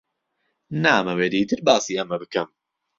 نامەوێت ئیتر باسی ئەمە بکەم.